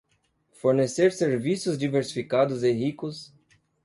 Fornecer serviços diversificados e ricos